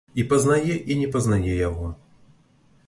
І пазнае і не пазнае яго.